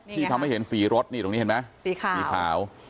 ที่ทำให้เห็นสีรถนี่ตรงนี้เห็นไหมสีขาวสีขาว